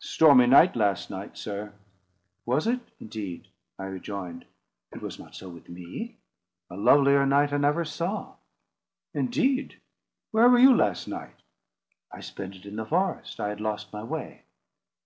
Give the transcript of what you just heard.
Stormy night, last night, sir." "Was it, indeed?" I rejoined. "It was not so with me. A lovelier night I never saw." "Indeed! Where were you last night?" "I spent it in the forest. I had lost my way."